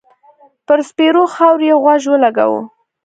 پر سپېرو خاور يې غوږ و لګاوه.